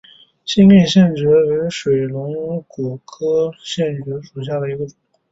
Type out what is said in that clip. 新店线蕨为水龙骨科线蕨属下的一个种。